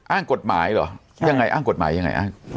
อ้างกฎหมายเหรอยังไงอ้างกฎหมายยังไงอ้าง